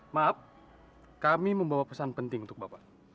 maaf kami membawa pesan penting untuk bapak